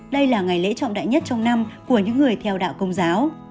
đây là ngày lễ trọng đại nhất trong năm của những người theo đạo công giáo